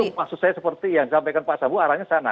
itu maksud saya seperti yang disampaikan pak sambo arahnya sana